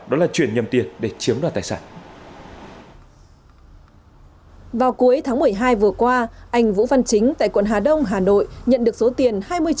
đó là chuyển nhầm tiền để chiếm đoạt tài sản